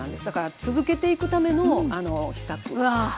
だから続けていくための秘策。